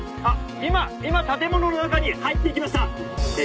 今今建物の中に入っていきました」